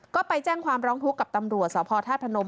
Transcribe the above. ก็ไปแจ้งความร้องทุกข์กับตำรวจสพธาตุพนม